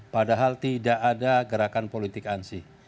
padahal tidak ada gerakan politik ansih